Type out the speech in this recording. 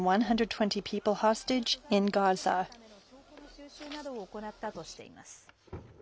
人質の所在を突き止めるための証拠の収集などを行ったとしています。